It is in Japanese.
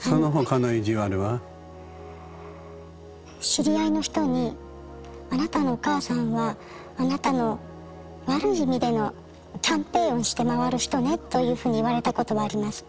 知り合いの人に「あなたのお母さんはあなたの悪い意味でのキャンペーンをして回る人ね」というふうに言われたことはあります。